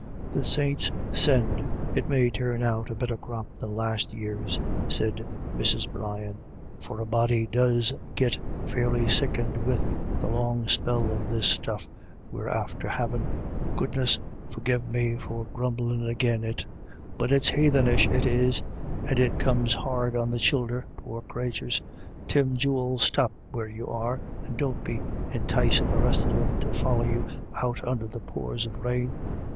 " The saints send it may turn out a better crop than last year's," said Mrs. Brian, " for a body does i 94 IRISH IDYLLS. git fairly sickened wid the long spell of this stuff we're after having Goodness forgive me for grumblin' agin' it — but it's haythinish it is ; and it comes hard on the childer, poor crathurs. Tim, jewel, stop where you are, and don't be inticin* the rest of them to folly you out under the pours of rain.